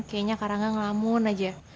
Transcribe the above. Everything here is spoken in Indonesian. kayaknya karangga ngelamun aja